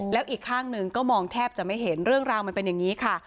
แล้วอีกข้างหนึ่งก็มองแทบจะไม่เห็นเรื่องราวมันเป็นอย่างนี้ค่ะ